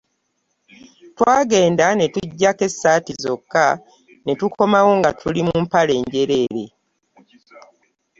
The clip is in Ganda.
Twagenda ne tuggyako essaati zokka, ne tukomawo nga tuli mu mpale njereere.